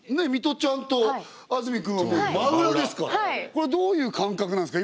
これはどういう感覚なんですか？